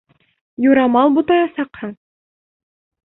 Юрамал бутаясаҡһың!